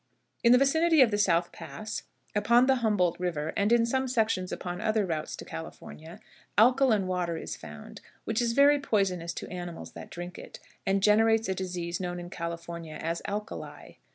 In the vicinity of the South Pass, upon the Humboldt River, and in some sections upon other routes to California, alkaline water is found, which is very poisonous to animals that drink it, and generates a disease known in California as "alkali."